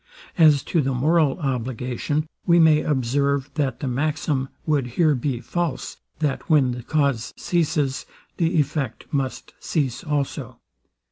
As to the moral obligation, we may observe, that the maxim would here be false, that when the cause ceases, the effect must cease also.